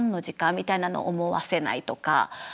みたいなのを思わせないとか。